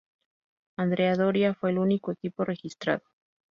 Andrea Doria fue el único equipo registrado.